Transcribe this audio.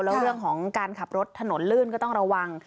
แล้วเรื่องของการขับรถถนนลื่นก็ต้องระวัง